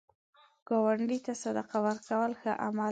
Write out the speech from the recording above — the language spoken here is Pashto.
ګاونډي ته صدقه ورکول ښه عمل دی